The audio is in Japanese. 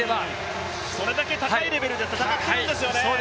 それだけ高いレベルで戦っているんですよね。